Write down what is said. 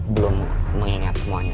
belum mengingat semuanya pak